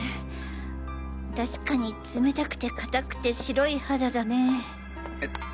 確かに冷たくて硬くて白い肌だね。